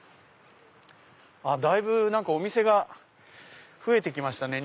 だいぶお店が増えて来ましたね。